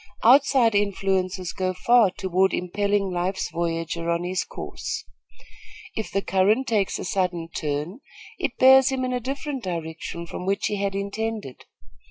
Outside influences go far toward impelling life's voyager on his course. If the current takes a sudden turn, it bears him in a different direction from which he had intended.